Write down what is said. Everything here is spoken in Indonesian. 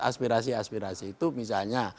aspirasi aspirasi itu misalnya